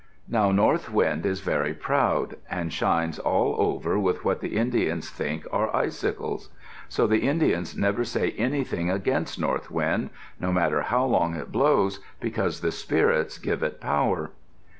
Now North Wind is very proud and shines all over with what the Indians think are icicles. So the Indians never say anything against North Wind, no matter how long it blows, because the spirits give it power.